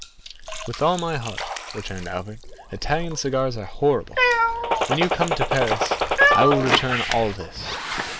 "With all my heart," returned Albert; "Italian cigars are horrible. When you come to Paris, I will return all this."